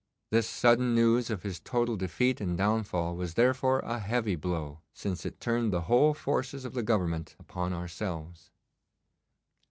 This sudden news of his total defeat and downfall was therefore a heavy blow, since it turned the whole forces of the Government upon ourselves.